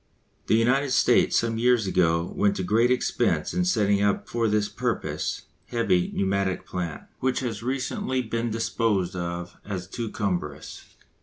The United States some years ago went to great expense in setting up for this purpose heavy pneumatic plant, which has recently been disposed of as too cumbrous.